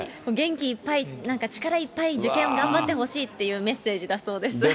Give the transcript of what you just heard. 元気いっぱい、なんか力いっぱい、受験頑張ってほしいっていうメッセージだそうです。